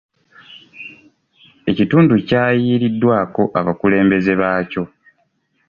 Ekitundu kyayiiriddwako abakulembeze baakyo.